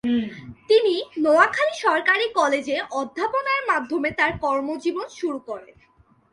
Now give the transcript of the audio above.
তিনি নোয়াখালী সরকারি কলেজে অধ্যাপনার মাধ্যমে তার কর্মজীবন শুরু করেন।